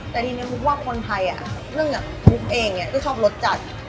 แต่ทีนี้มุกว่าคนไทยเรื่องมุกเองก็ชอบรสจัด